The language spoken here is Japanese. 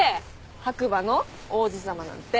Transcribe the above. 白馬の王子さまなんて。